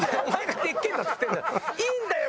いいんだよ！